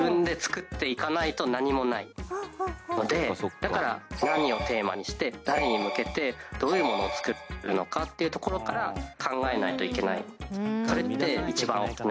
だから何をテーマにして誰に向けてどういうものを作るのかっていうところから考えないといけない。